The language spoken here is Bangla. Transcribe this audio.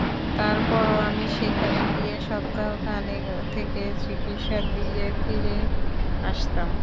তারপরও আমি সেখানে গিয়ে সপ্তাহ খানেক থেকে চিকিৎসা দিয়ে ফিরে আসতাম।